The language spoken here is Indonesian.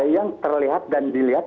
yang terlihat dan dilihat